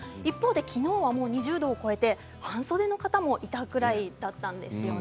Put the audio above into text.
一方できのうは２０度を超えて半袖の方もいたぐらいだったんです。